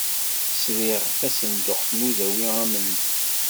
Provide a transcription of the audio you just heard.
Sriɣ tasenduqt n udawi amenzu.